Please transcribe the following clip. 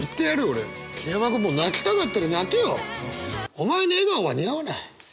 お前に笑顔は似合わない。